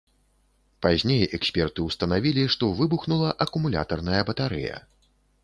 Пазней эксперты ўстанавілі, што выбухнула акумулятарная батарэя.